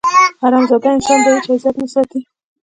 حرامزاده انسان د هېچا عزت نه ساتي.